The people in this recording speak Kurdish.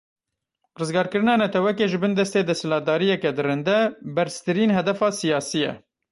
Rizgarkirina netewekê ji bin destê desthilatdariyeke dirinde, berztirîn hedefa siyasî ye.